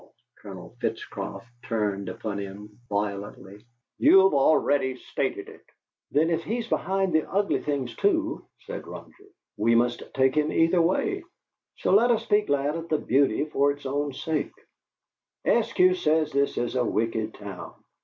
Colonel Flitcroft turned upon him violently. "You've already stated it." "Then, if he is behind the ugly things, too," said Roger, "we must take him either way, so let us be glad of the beauty for its own sake. Eskew says this is a wicked town.